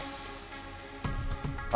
kalau hidup anda